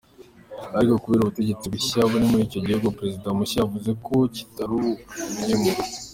Ariko kubera ubutegetsi bushya muri icyo gihugu perezida mushya yavuze ko kitakiruvuyemo.